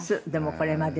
これまで。